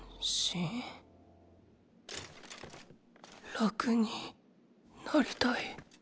楽になりたい。